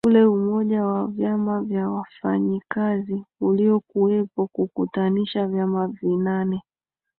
ule umoja wa vyama vya wafanyikazi uliokuweko kukutanisha vyama vinane